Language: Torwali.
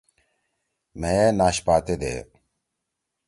مھئے ناشپاتے دے۔